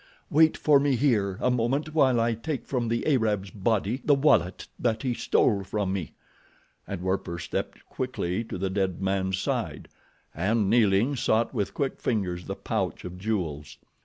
Wait for me here a moment while I take from the Arab's body the wallet that he stole from me," and Werper stepped quickly to the dead man's side, and, kneeling, sought with quick fingers the pouch of jewels.